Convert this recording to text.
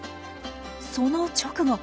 その直後。